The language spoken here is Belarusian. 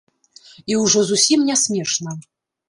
І ўжо зусім нясмешна.